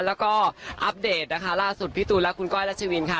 แล้วก็อัปเดตนะคะล่าสุดพี่ตูนและคุณก้อยรัชวินค่ะ